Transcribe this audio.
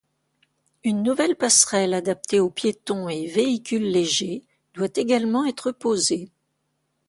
Une nouvelle passerelle adaptée aux piétons et véhicules légers doit également être posée.